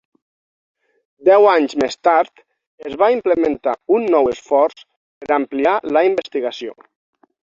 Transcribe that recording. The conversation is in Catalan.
Deu anys més tard es va implementar un nou esforç per ampliar la investigació.